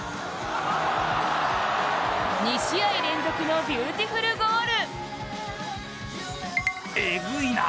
２試合連続のビューティフルゴール。